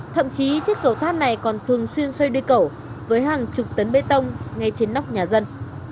thậm chí chiếc cầu tháp này còn thường xuyên xây đi cầu với hàng chục tấn bê tông ngay trên nóc nhà dân